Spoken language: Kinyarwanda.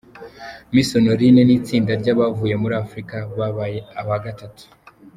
Miss Honorine n'itsinda ry'abavuye muri Afurika babaye aba gatatu.